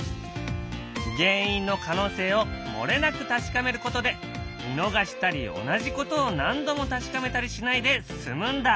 原因の可能性を漏れなく確かめることで見逃したり同じことを何度も確かめたりしないで済むんだ。